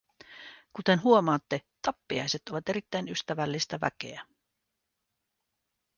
Kuten huomaatte, tappiaiset ovat erittäin ystävällistä väkeä.